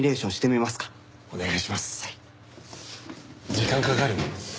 時間かかる？